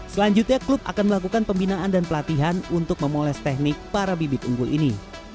selanjutnya klub akan melakukan pembinaan dan pelatihan untuk memoles teknik para bibit unggul ini